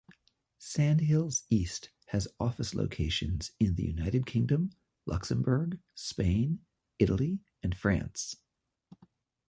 Sandhills East has office locations in the United Kingdom, Luxembourg, Spain, Italy, and France.